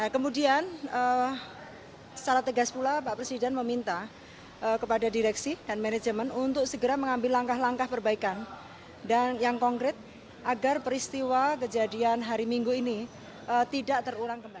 kemudian secara tegas pula pak presiden meminta kepada direksi dan manajemen untuk segera mengambil langkah langkah perbaikan dan yang konkret agar peristiwa kejadian hari minggu ini tidak terulang kembali